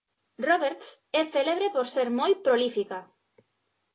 Roberts é célebre por ser moi prolífica.